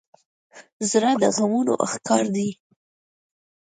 زړه د غمونو ښکار دی.